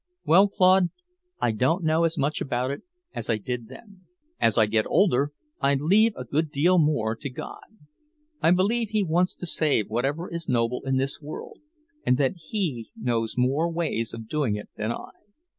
Well, Claude, I don't know as much about it as I did then. As I get older, I leave a good deal more to God. I believe He wants to save whatever is noble in this world, and that He knows more ways of doing it than I."